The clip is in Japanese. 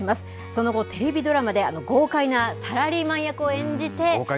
その後、テレビドラマで、豪快なサラリーマン役を演じて。